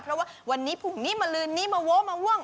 เพราะว่าวันนี้พรุ่งนี้มาลืนนี้มาโว้มะม่วง